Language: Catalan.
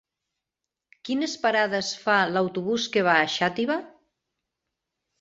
Quines parades fa l'autobús que va a Xàtiva?